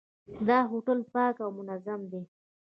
دا هوټل پاک او منظم دی.